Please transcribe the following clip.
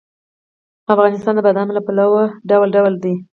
افغانستان د بادام له پلوه متنوع دی.